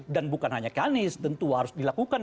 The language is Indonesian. dan bukan hanya ke anies tentu harus dilakukan